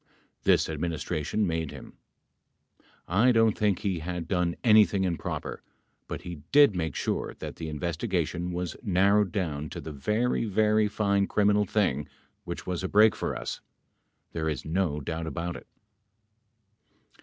This Administration made him. I don't think he had done anything improper , but he did make sure that the inves tigation was narrowed down to the very , very fine criminal thing which ivas a break for us. There is no doubt about it.